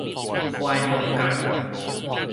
懷六甲